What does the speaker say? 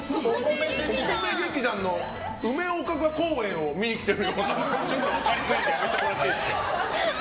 お米劇団の梅おかか公演を見に来てる感じの。